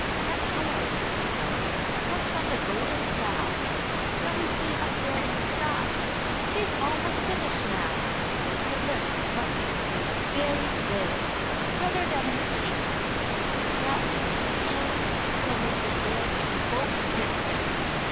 "That colour, you know, comes from the golden clouds, that we see up there in the sky. She is almost finished now. But her lips must be made very red redder than her cheeks. Perhaps, Peony, it will make them red if we both kiss them!"